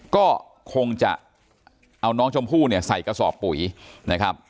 ก็คงจะเอาน้องชมพู่เนี่ยใส่กระสอบปุ๋ยนะครับ